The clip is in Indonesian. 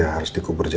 saya juga woman